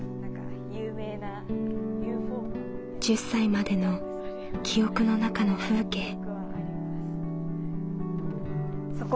１０歳までの記憶の中の風景。